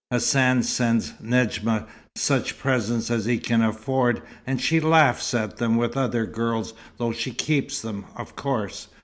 Hassan sends Nedjma such presents as he can afford, and she laughs at them with the other girls, though she keeps them, of course.